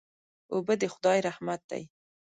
اوبه د خدای رحمت دی.